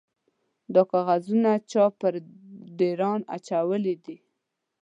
_دا کاغذونه چا پر ډېران اچولي دي؟